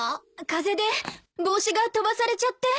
風で帽子が飛ばされちゃって。